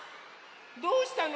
どうしたの？